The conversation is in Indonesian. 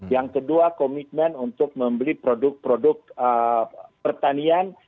yang kedua komitmen untuk membeli produk produk pertanian